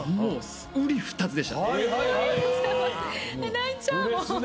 泣いちゃうもう。